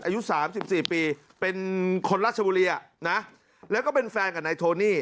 อายุ๓๔ปีเป็นคนราชบุรีอ่ะนะแล้วก็เป็นแฟนกับนายโทนี่